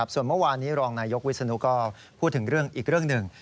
ส่วนเมื่อวานนี้รองนายยกวิศนุก็พูดถึงเรื่องอีกเรื่องหนึ่ง